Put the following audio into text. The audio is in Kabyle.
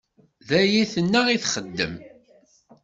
D ayen tenna i texdem.